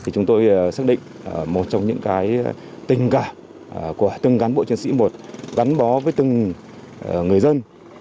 chúng tôi xác định một trong những tình cảm của từng cán bộ chiến sĩ một gắn bó với từng người dân